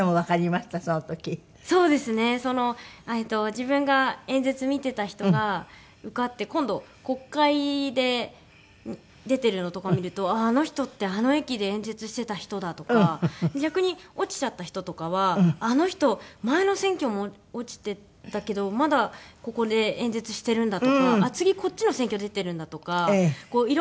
自分が演説見てた人が受かって今度国会で出てるのとかを見ると「あああの人ってあの駅で演説してた人だ」とか逆に落ちちゃった人とかは「あの人前の選挙も落ちてたけどまだここで演説してるんだ」とか「あっ次こっちの選挙出てるんだ」とかいろんな。